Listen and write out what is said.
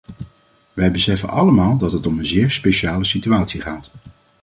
Wij beseffen allemaal dat het om een zeer speciale situatie gaat.